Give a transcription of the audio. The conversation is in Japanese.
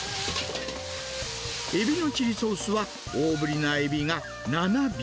エビのチリソースは、大ぶりなエビが７尾。